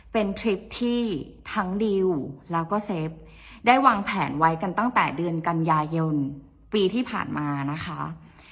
เป็นทริปที่ทั้งดิวแล้วก็เซฟได้วางแผนไว้กันตั้งแต่เดือนกันยายนปีที่ผ่านมานะคะ